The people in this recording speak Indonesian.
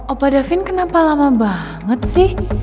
opa davin kenapa lama banget sih